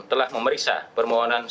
telah memeriksa permohonan